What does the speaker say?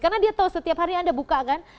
karena dia tahu setiap hari anda buka kan